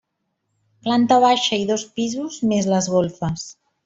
Planta baixa i dos pisos més les golfes.